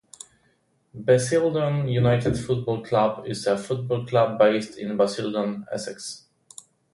Basildon United Football Club is a football club based in Basildon, Essex.